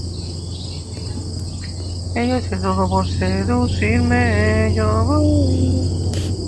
Se encuentra en China y en Vietnam.